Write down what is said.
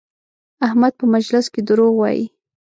احمد په مجلس کې دروغ وایي؛